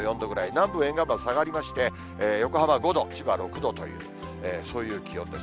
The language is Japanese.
南部沿岸部は下がりまして、横浜５度、千葉６度という、そういう気温です。